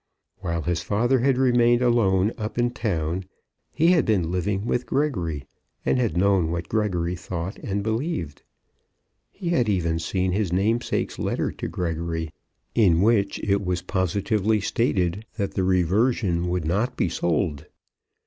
While his father had remained alone up in town he had been living with Gregory, and had known what Gregory thought and believed. He had even seen his namesake's letter to Gregory, in which it was positively stated that the reversion would not be sold.